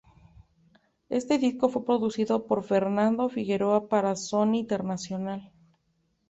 Este disco fue producido por Fernando Figueroa para Sony International.